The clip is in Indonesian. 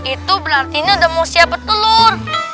itu berarti udah mau siap bertelur